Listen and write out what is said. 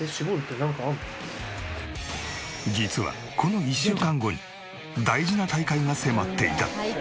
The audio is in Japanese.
実はこの１週間後に大事な大会が迫っていた。